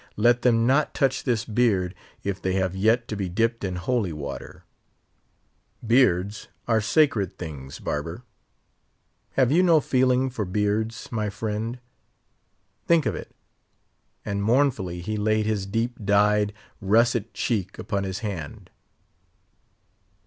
Let them not touch this beard if they have yet to be dipped in holy water; beards are sacred things, barber. Have you no feeling for beards, my friend? think of it;" and mournfully he laid his deep dyed, russet cheek upon his hand.